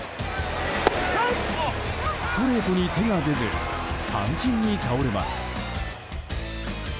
ストレートに手が出ず三振に倒れます。